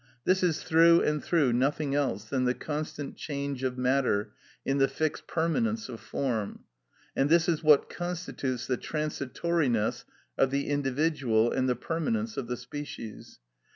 This is through and through nothing else than the constant change of matter in the fixed permanence of form; and this is what constitutes the transitoriness of the individual and the permanence of the species.